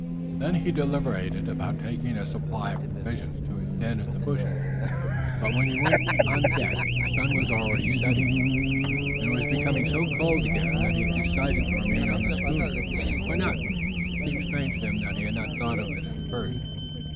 Then he deliberated about taking a supply of provisions to his den in the bushes, but when he went on deck the sun was already setting, and it was becoming so cold again that he decided to remain on the schooner. Why not? It seemed strange to him that he had not thought of it at first.